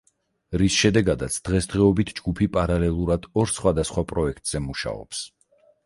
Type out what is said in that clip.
რის შედეგადაც დღესდღეობით ჯგუფი პარალელურად ორ სხვადასხვა პროექტზე მუშაობს.